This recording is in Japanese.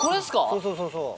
そうそうそうそう。